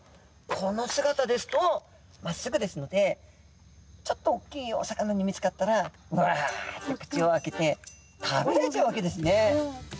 この姿ですとまっすぐですのでちょっと大きいお魚に見つかったらわっと口を開けて食べられちゃうわけですね。